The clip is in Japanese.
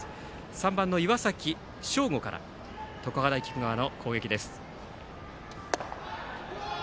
３番の岩崎匠悟から常葉大菊川の攻撃です。